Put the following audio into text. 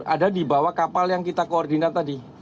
ada di bawah kapal yang kita koordinat tadi